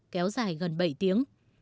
kéo dài gần bảy tiếng